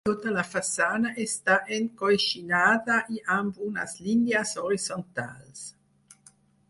Tota la façana està encoixinada i amb unes línies horitzontals.